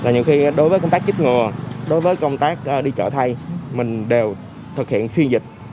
nhiều khi đối với công tác chích ngừa đối với công tác đi chợ thay mình đều thực hiện phiên dịch